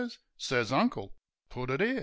Sez Uncle, "Put it 'ere!"